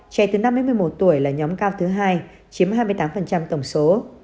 trẻ từ năm mươi một tuổi là nhóm cao thứ hai chiếm hai mươi tám tổng số